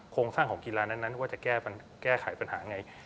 โครงสร้างของกีฬานั้นว่าจะแก้ไขปัญหาไง